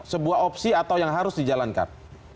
sebuah opsi atau yang harus dijalankan